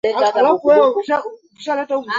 matajiri na maskini walitamani tiketi ya titanic